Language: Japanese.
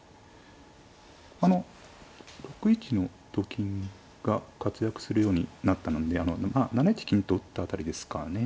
あの６一のと金が活躍するようになったのでまあ７一金と打った辺りですかね。